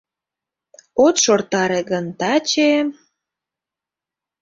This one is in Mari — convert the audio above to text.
От шортаре гын, таче...